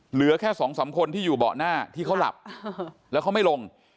เหลือแค่สองสามคนที่อยู่เบาะหน้าที่เขาหลับแล้วเขาไม่ลง